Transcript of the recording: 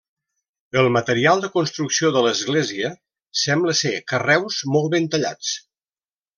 El material de construcció de l'església sembla ser carreus molt ben tallats.